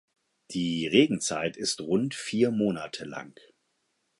Die Regenzeit ist rund vier Monate lang.